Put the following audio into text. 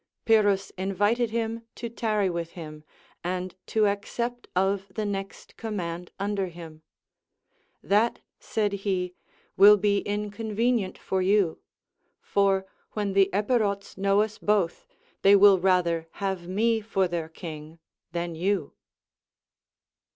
Pyrrhus invited him to tarry with him, and to accept of the next command under him : That, said he, will be inconvenient for you ; for, wdien the Epirots know us both, they will rather have me for their king than you.